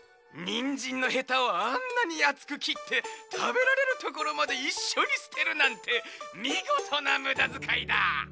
にんじんのヘタをあんなにあつくきってたべられるところまでいっしょにすてるなんてみごとなむだづかいだ！